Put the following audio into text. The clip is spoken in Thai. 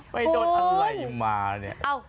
ไปโดนอะไรมาเนี่ย